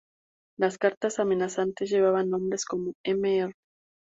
Las cartas amenazantes llevaban nombres como "Mr.